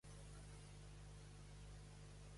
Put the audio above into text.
Què implicaria que la seva mare fos Polimela?